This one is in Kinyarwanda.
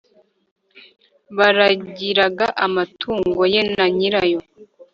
baragiraga amatungo ye na nyirayo